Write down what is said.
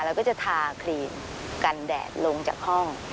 เราก็จะทาครีมกันแดดลงจากห้อง